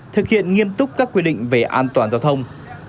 thực hiện nghiêm túc các quy định về an toàn giao thông